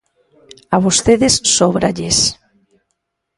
A vostedes sóbralles.